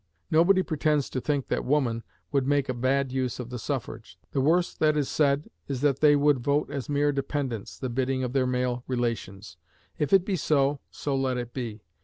Nobody pretends to think that woman would make a bad use of the suffrage. The worst that is said is that they would vote as mere dependents, the bidding of their male relations. If it be so, so let it be.